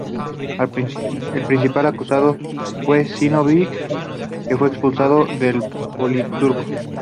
El principal acusado fue Zinóviev, que fue expulsado del politburó.